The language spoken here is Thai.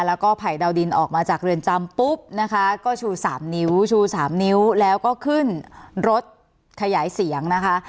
แล้วก็ไผ่ดาวดินออกมาจากเรือนจำปุ๊บนะคะก็ชู๓นิ้วชู๓นิ้วแล้วก็ขึ้นรถขยายเสียงนะคะ